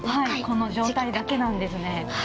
この状態だけなんですね。